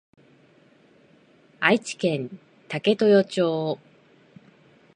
愛知県武豊町